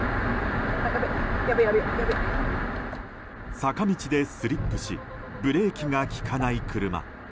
坂道でスリップしブレーキが利かない車。